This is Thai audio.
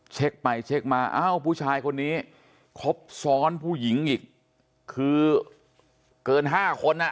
เช็คไปเช็คมาเอ้าผู้ชายคนนี้ครบซ้อนผู้หญิงอีกคือเกิน๕คนอ่ะ